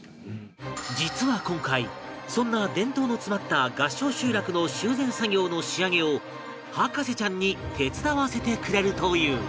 実は今回そんな伝統の詰まった合掌集落の修繕作業の仕上げを博士ちゃんに手伝わせてくれるという